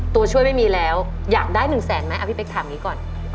ตัวช่วยไม่มีแล้วอยากได้๑แสนไหมพี่เป๊กถามอย่างนี้ก่อน